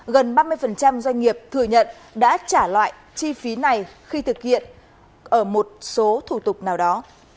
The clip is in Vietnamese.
gần ba mươi doanh nghiệp thừa nhận đã trả loại chi phí này khi thực hiện ở một số thủ tục nào đó